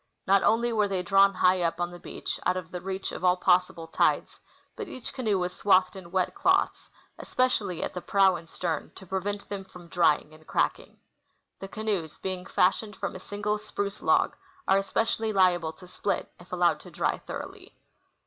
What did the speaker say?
Not only were they drawn high up on the beach, out of the reach of all possible tides, but each canoe was swathed in Avet cloths, especially at the prow and stern, to prevent them from drying and cracking. The canoes, being fashioned from a single spruce log, are especially liable to split if allowed to dry thor oughly.